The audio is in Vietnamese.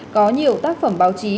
có nhiều tác phẩm báo chí